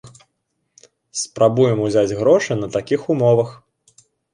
Спрабуем узяць грошы на такіх умовах.